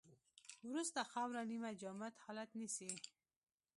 وروسته خاوره نیمه جامد حالت نیسي